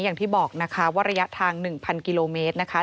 อย่างที่บอกนะคะว่าระยะทาง๑๐๐กิโลเมตรนะคะ